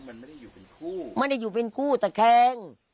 มันไม่ได้อยู่เป็นคู่ไม่ได้อยู่เป็นคู่ตะแคง